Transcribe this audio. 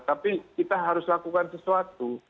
tapi kita harus lakukan sesuatu